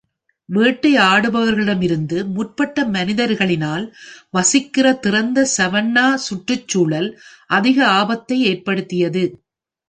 வேட்டையாடுபவர்களிடமிருந்து முற்பட்ட மனிதர்களினால் வசிக்கிற திறந்த சவன்னா சுற்றுச்சூழல் அதிக ஆபத்தை ஏற்படுத்தியது.